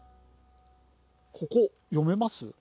ここ読めます？